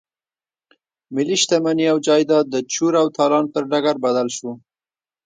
ملي شتمني او جايداد د چور او تالان پر ډګر بدل شو.